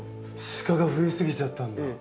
シカが増え過ぎちゃったんだ。